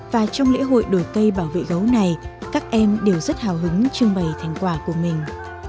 và trong lễ hội đổi cây bảo vệ gấu này các em đều rất hào hứng trưng bày thành quả của mình